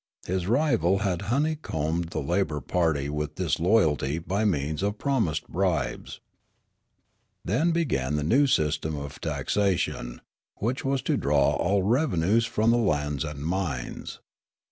His rival had honeycombed the labour party with disloyalty by means of promised bribes. Then began the new system of taxation, which was 2 12 Riallaro to draw all revenues from lands and mines.